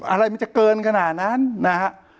อะไรมันจะเกินขนาดนั้นนะฮะ